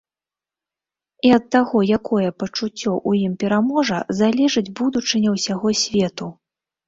І ад таго, якое пачуццё ў ім пераможа, залежыць будучыня ўсяго свету.